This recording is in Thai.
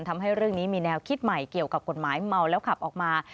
ทำให้เรื่องนี้มีแนวคิดใหม่เกี่ยวกับกฎหมายเมาแล้วขับออกมา